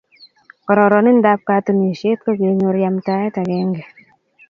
kororonindab katunisiet ko kenyor yamtaet agenge